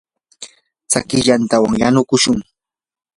tsakiy yantawan yanukushun.